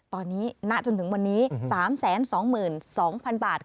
ตอนนี้ณจนถึงวันนี้๓๒๒๐๐๐บาท